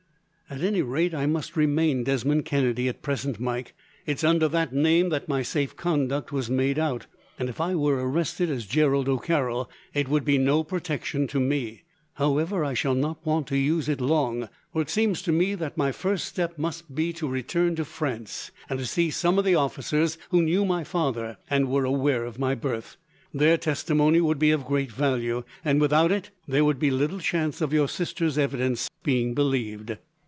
"At any rate, I must remain Desmond Kennedy at present, Mike. It is under that name that my safe conduct was made out, and if I were arrested as Gerald O'Carroll, it would be no protection to me. However, I shall not want to use it long, for it seems to me that my first step must be to return to France, and to see some of the officers who knew my father, and were aware of my birth. Their testimony would be of great value, and without it there would be little chance of your sister's evidence being believed."